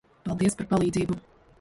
Paldies par palīdzību.